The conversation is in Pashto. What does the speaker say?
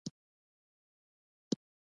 لګښت هم لوړ راځي.